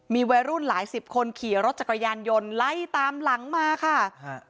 มีวัยรุ่นหลายสิบคนขี่รถจักรยานยนต์ไล่ตามหลังมาค่ะฮะ